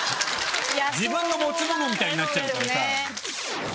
自分の持ち物みたいになっちゃうからさ。